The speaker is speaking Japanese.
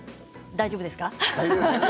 大丈夫ですよ。